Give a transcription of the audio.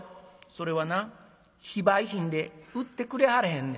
「それはな非売品で売ってくれはらへんねん」。